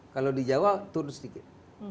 kalau di jawa turun sedikit